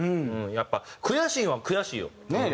やっぱ悔しいのは悔しいよ当然ね。